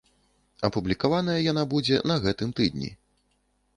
Апублікаваная яна будзе на гэтым тыдні.